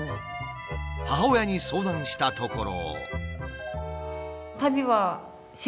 母親に相談したところ。